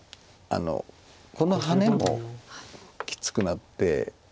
このハネもきつくなって。